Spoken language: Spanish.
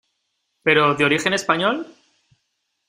¿ pero de origen español?